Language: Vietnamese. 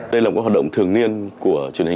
đây là một hoạt động thường niên của truyền hình